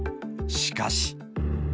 しかし。